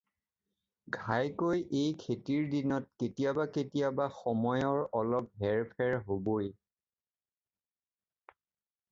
ঘাইকৈ এই খেতিৰ দিনত কেতিয়াবা কেতিয়াবা সময়ৰ অলপ হেৰ-ফেৰ হ'বই।